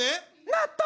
納豆！